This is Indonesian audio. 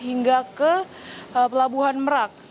hingga ke pelabuhan merak